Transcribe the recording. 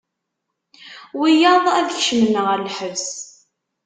Wiyaḍ ad kecmen ɣer lḥebs.